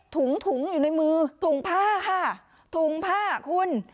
ถุงถุงอยู่ในมือถุงผ้าค่ะถุงผ้าคุณ